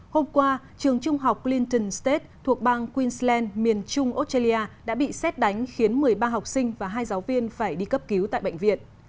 hôm qua trường trung học clinton state thuộc bang queensland miền trung australia đã bị xét đánh khiến một mươi ba học sinh và hai giáo viên phải đi cấp cứu tại bệnh viện